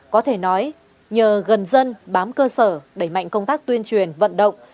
có thể nói nhờ gần dân bám cơ sở đẩy mạnh công tác tuyên truyền vận động